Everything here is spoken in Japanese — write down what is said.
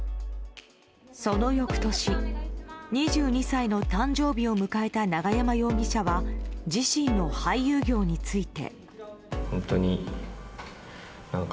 その翌年、２２歳の誕生日を迎えた永山容疑者は自身の俳優業について。